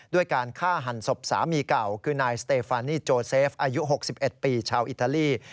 ด้วยการฆ่าหันศพสามีเก่าคือนายสเตฟานีโจเซฟอายุ๖๑ปีชาวอิตาลี